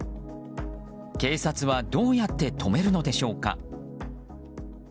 警察は、どうやって止めるのでしょうか。